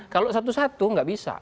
kalau satu satu nggak bisa